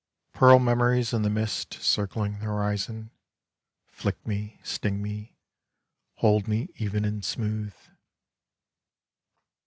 Pearl memories in the mist circling the horizon, flick me, sting me, hold me even and smooth.